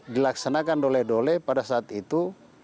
dilaksanakan dole dole pada saat itu